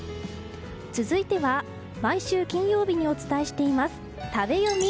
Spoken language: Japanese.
続いては、毎週金曜日にお伝えしています食べヨミ。